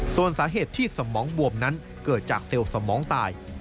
ส่วนสาเหตุที่สมองบวมนั้นเกิดจากเซลล์สมองตาย